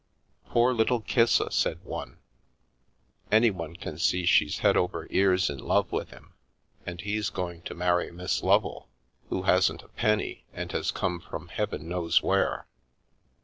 " Poor little Kissa," said one, " anyone can see she's head over ears in love with him, and he's going to marry Miss Lovel, who hasn't a penny and has come from heaven knows where.